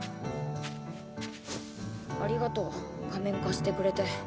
ありがとう仮面貸してくれて。